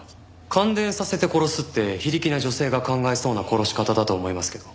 感電させて殺すって非力な女性が考えそうな殺し方だと思いますけど。